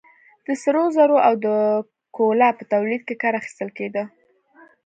د سرو زرو او د کولا په تولید کې کار اخیستل کېده.